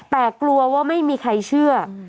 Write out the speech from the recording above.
แต่กลัวว่าไม่มีใครเชื่อ